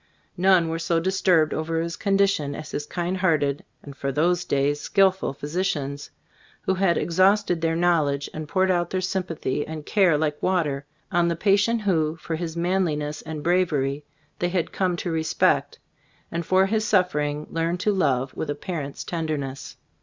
None were so disturbed over his condition as his kind hearted, and for those days, skillful physicians, who had ex hausted their knowledge and poured out their sympathy and care like wa ter, on the patient who, for his man liness and bravery, they had come to respect, and for his suffering learned to love with a parent's tenderness.